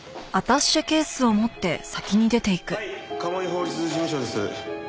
はい鴨居法律事務所です。